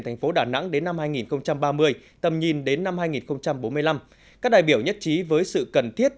thành phố đà nẵng đến năm hai nghìn ba mươi tầm nhìn đến năm hai nghìn bốn mươi năm các đại biểu nhất trí với sự cần thiết